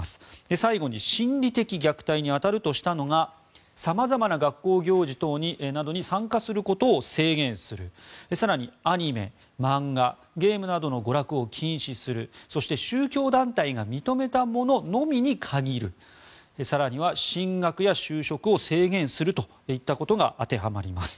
最後に心理的虐待に当たるとしたのが様々な学校行事などに参加することを制限する更に、アニメ、漫画ゲームなどの娯楽を禁止するそして宗教団体が認めたもののみに限る更には進学や就職を制限するといったことが当てはまります。